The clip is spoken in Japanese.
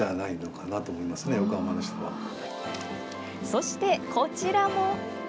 そして、こちらも。